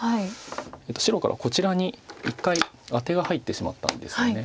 白からこちらに１回アテが入ってしまったんですよね。